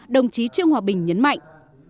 đồng chí trương hòa bình nhấn mạnh